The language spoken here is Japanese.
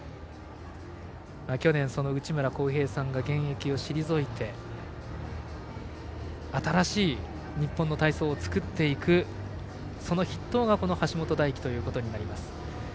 去年、内村航平さんが現役を退いて新しい日本の体操を作っていくその筆頭が橋本大輝となります。